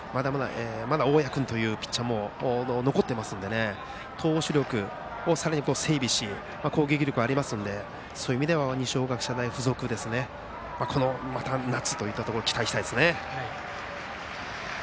まだ大矢君というピッチャーも残っていますので投手力を整備して攻撃力もあるのでそういう意味では二松学舎大付属にはこの夏に期待したいですね。